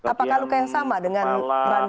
apakah luka yang sama dengan random